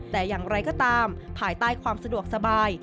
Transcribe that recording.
แต่อย่างไรก็ตามภายใต้ความสะดวกสบาย